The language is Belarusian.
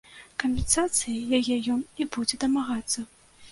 Кампенсацыі яе ён і будзе дамагацца.